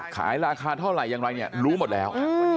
ขายราคาเท่าไหร่อย่างไรเนี่ยรู้หมดแล้ว